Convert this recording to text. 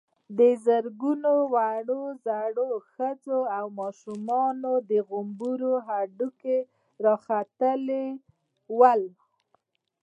د زرګونو وړو_ زړو، ښځو او ماشومانو د غومبرو هډوکي را ختلي ول.